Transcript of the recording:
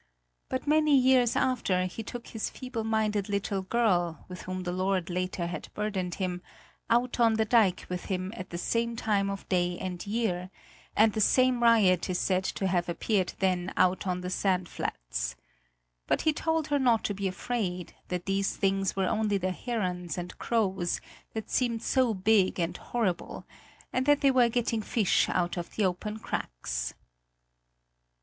But many years after he took his feeble minded little girl, with whom the Lord later had burdened him, out on the dike with him at the same time of day and year, and the same riot is said to have appeared then out on the sand flats. But he told her not to be afraid, that these things were only the herons and crows, that seemed so big and horrible, and that they were getting fish out of the open cracks.